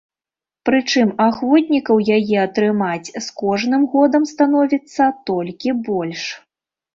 Прычым ахвотнікаў яе атрымаць з кожным годам становіцца толькі больш.